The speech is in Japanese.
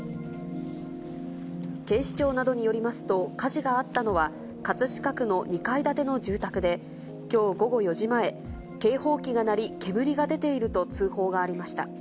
警視庁などによりますと、火事があったのは、葛飾区の２階建ての住宅で、きょう午後４時前、警報器が鳴り、煙が出ていると通報がありました。